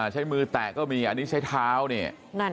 ใช้มื๘๒ก็มีอันนี้ใช้ท้าวนี้